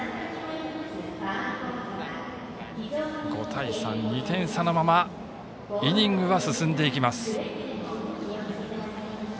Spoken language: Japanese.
５対３、２点差のままイニングは進んでいきます。